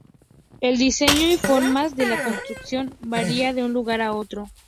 El diseño y formas de la construcción varía de un lugar a otro.